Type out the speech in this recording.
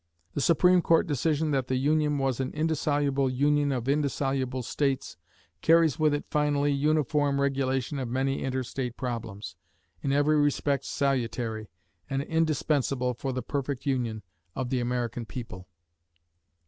The Supreme Court decision that the Union was an indissoluble union of indissoluble states, carries with it finally uniform regulation of many interstate problems, in every respect salutary, and indispensable for the perfect union of the American people.